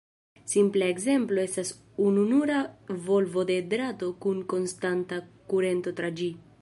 Simpla ekzemplo estas ununura volvo de drato kun konstanta kurento tra ĝi.